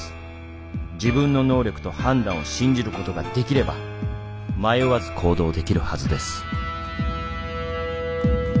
自分の能力と判断を信じることができれば迷わず行動できるはずです」。